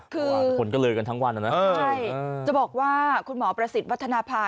คือคนก็เลยกันทั้งวันนะนะใช่จะบอกว่าคุณหมอประสิทธิ์วัฒนภา